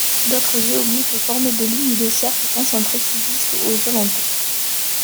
D'autres géoglyphes formés de lignes et de cercles concentriques subsistent aux alentours.